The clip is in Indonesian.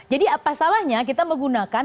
jadi apa salahnya kita menggunakan